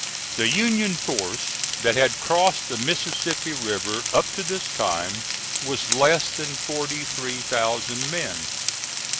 The Union force that had crossed the Mississippi River up to this time was less than forty three thousand men.